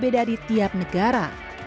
di tiap negara